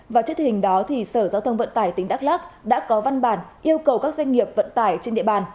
và trước hình đó sở giao thông vận tải tỉnh đắk lắc đã có văn bản yêu cầu các doanh nghiệp vận tải trên địa bàn